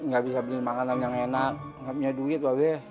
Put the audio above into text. gak bisa beli makanan yang enak gak punya duit babe